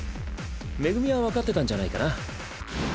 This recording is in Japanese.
恵は分かってたんじゃないかな。